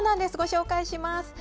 ご紹介します。